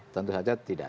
tentu saja tidak